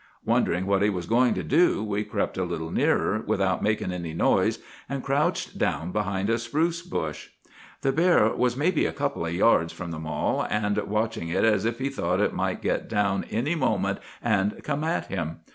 Wondering what he was going to do, we crept a little nearer, without makin' any noise, and crouched down behind a spruce bush. "'The bear was maybe a couple of yards from the mall, and watching it as if he thought it might get down any moment and come at him.